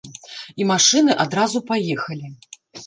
І машыны адразу паехалі.